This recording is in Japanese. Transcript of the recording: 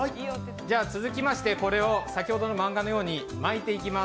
続きましてこれを先ほどの漫画のように巻いていきます。